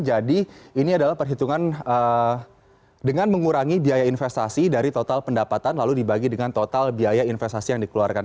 jadi ini adalah perhitungan dengan mengurangi biaya investasi dari total pendapatan lalu dibagi dengan total biaya investasi yang dikeluarkan